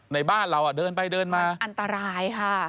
ในบ้านเราเดินไปเดินมาอันตรายค่ะ